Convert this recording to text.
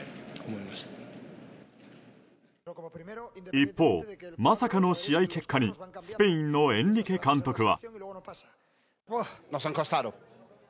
一方、まさかの試合結果にスペインのエンリケ監督は。